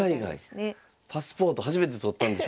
パスポート初めて取ったんでしょうか。